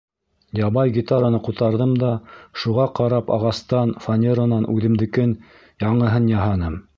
Ябай гитараны ҡутарҙым да, шуға ҡарап ағастан, фанеранан үҙемдекен — яңыһын яһаным.